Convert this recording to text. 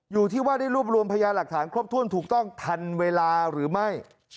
อยู่ที่ว่าได้รวบรวมพยาหลักฐานครบถ้วนถูกต้องทันเวลาหรือไม่